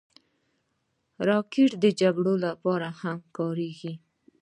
راکټ د جګړو لپاره هم کارېږي